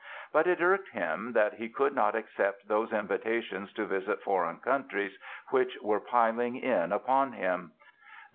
But it irked him that he could not accept those invitations to visit foreign countries which were piling in upon him.